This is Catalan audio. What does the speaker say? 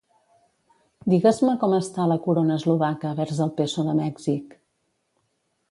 Digues-me com està la corona eslovaca vers el peso de Mèxic?